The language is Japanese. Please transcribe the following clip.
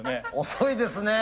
遅いですね。